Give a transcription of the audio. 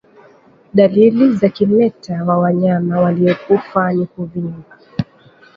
Dalili za kimeta wa wanyama waliokufa ni kuvimba